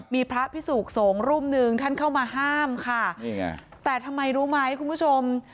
มีพระพิสูกโสงรุ่มนึงท่านเข้ามาห้ามค่ะแต่ทำไมรู้ไหมคุณผู้ชม